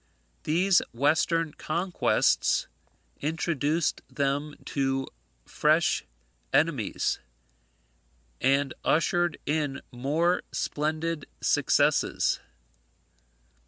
These western conquests introduced them to fresh enemies, and ushered in more splendid successes.